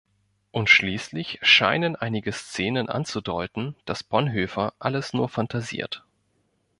Und schließlich scheinen einige Szenen anzudeuten, dass Bonhoeffer alles nur phantasiert.